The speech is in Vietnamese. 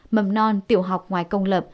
mầm non tiểu học ngoài công lập